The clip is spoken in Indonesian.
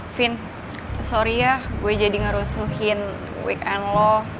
vin sorry ya gue jadi ngerusuhin weekend lo